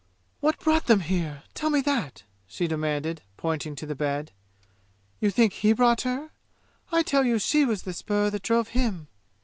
"What brought them here? Tell me that!" she demanded, pointing to the bed. "You think he brought, her? I tell you she was the spur that drove him!